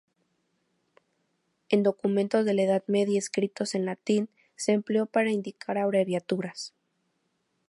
En documentos de la Edad Media escritos en latín, se empleó para indicar abreviaturas.